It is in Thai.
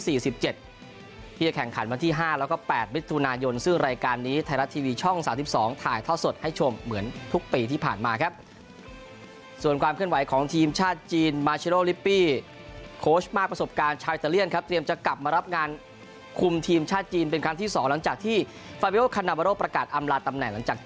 ที่จะแข่งขันวันที่ห้าแล้วก็แปดมิถุนายนซึ่งรายการนี้ไทยรัฐทีวีช่องสามสิบสองถ่ายท่อสดให้ชมเหมือนทุกปีที่ผ่านมาครับส่วนความเคลื่อนไหวของทีมชาติจีนมาเชโรลิปปี้โค้ชมากประสบการณ์ชาวอิตาเลียนครับเตรียมจะกลับมารับงานคุมทีมชาติจีนเป็นครั้งที่สองหลังจากที่ฟาวิโอคันนาบาโรประกาศอำลาตำแหน่งหลังจาก